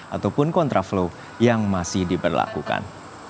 ataupun contra flow yang masih diberlakukan